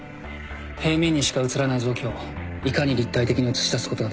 平面にしか写らない臓器をいかに立体的に写し出すことができるか